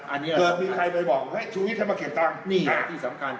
ไม่งั้นมีใครมาบอกว่าชีวิตใช่มาเก็บตังค์